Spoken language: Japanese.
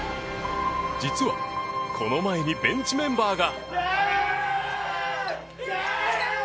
実は、この前にベンチメンバーが。